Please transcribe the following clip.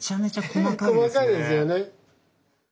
細かいですよね。